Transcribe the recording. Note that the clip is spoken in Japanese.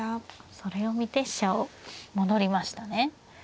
それを見て飛車を戻りましたね。